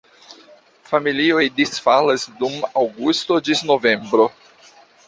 Familioj disfalas dum aŭgusto ĝis novembro.